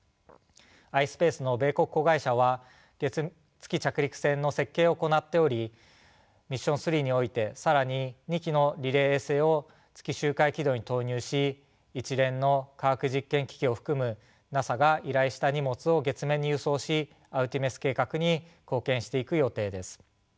ｉｓｐａｃｅの米国子会社は月着陸船の設計を行っておりミッション３において更に２機のリレー衛星を月周回軌道に投入し一連の科学実験機器を含むＮＡＳＡが依頼した荷物を月面に輸送しアルテミス計画に貢献していく予定です。